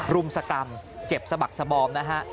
รุมสกรรมเจ็บสะบักสบอมนะฮะ